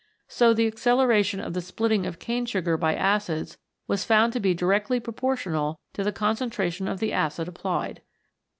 So the acceleration of the splitting of cane sugar by acids was found to be directly proportional to the concentration of the acid applied.